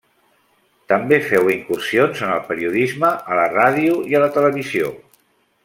També feu incursions en el periodisme, a la ràdio i a la televisió.